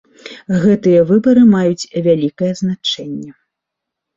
Гэтыя выбары маюць вялікае значэнне.